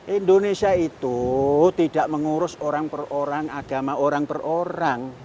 indonesia itu tidak mengurus orang per orang agama orang per orang